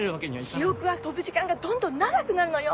記憶が飛ぶ時間がどんどん長くなるのよ！